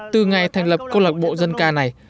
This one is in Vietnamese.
từ ngày thành lập câu lạc bộ dân ca này